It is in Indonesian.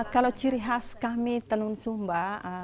kalau ciri khas kami tenun sumba